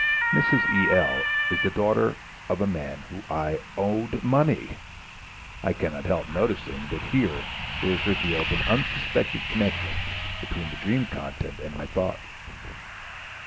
Mrs. E.L. is the daughter of a man to whom I owed money! I cannot help noticing that here there is revealed an unsuspected connection between the dream content and my thoughts.